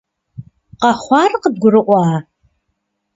Къэхъуар къыбгурыӀуа?